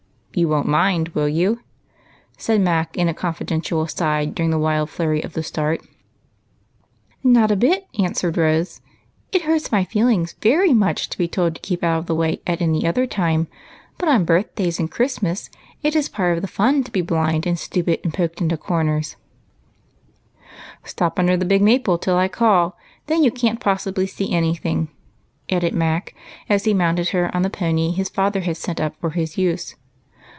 You won't mind, will you ?" said Mac in a confi dential aside during the wild flurry of the start. "Not a bit," answered Rose. "It hurts my feel ings very much to be told to keep out of the way at any other time, but birthdays and Christmas it is part of the fun to be blind and stupid, and poked into corners. I '11 be ready as soon as you are, Gig lamps." " Stop under the big maple till I call, — then you can't possibly see any thing," added Mac, as he mounted her on the pony his father had sent up for his use.